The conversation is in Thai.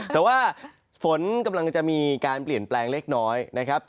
แต่ว่าฝนกำลังจะมีการเปลี่ยนแปลงเล็กน้อยนะครับ